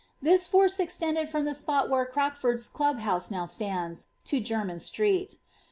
This force extended from tlie spot where Crockford's club house now stands, to Jermyn Street.